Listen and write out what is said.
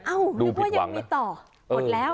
นึกว่ายังมีต่อหมดแล้ว